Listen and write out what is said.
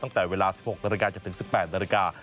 ตั้งแต่เวลา๑๖นจนถึง๑๘น